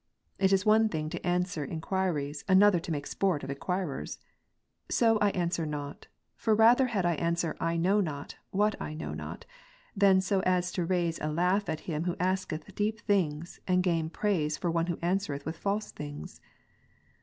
It is one thing to answer enquiries, another to make sport of enquirers. So I answer not; for rather had I answer, " I know not," what I know not, than so as to raise a laugh at him who asketh deep things and gain praise for one who answereth false things.